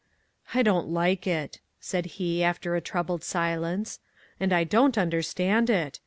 "I don't like it," said he after a troubled silence, "and I don't understand it.